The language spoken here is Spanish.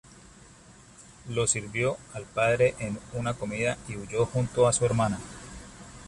Lo sirvió al padre en una comida y huyo junto a su hermana.